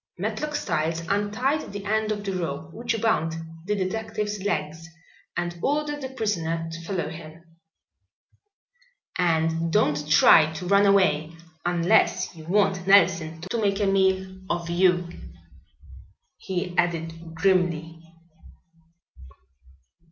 Matlock Styles untied the end of the rope which bound the detective's legs and ordered the prisoner to follow him. "And don't try to run away, unless you want Nelson to make a meal of you," he added grimly.